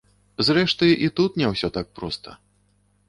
Зрэшты, і тут не ўсё так проста.